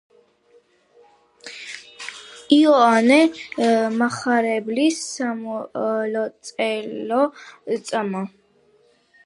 იოანე მახარებლის სამლოცველო“, „წმ.